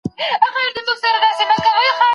خلګ راغله و قاضي ته په فریاد سوه